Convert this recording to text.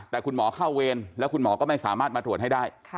แต่คุณหมอเข้าเวรแล้วคุณหมอก็ไม่สามารถมาตรวจให้ได้